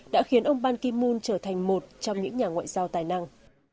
đã khiến ông ban ki moon trở thành một trong những nhà ngoại giao tài năng